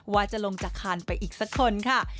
ว่าจะลงจากคานไปอีกสักคนค่ะ